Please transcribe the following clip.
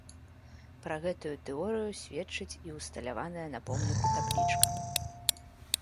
Пра гэту тэорыю сведчыць і ўсталяваная на помніку таблічка.